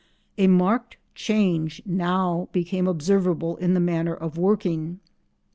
] A marked change now became observable in the manner of working.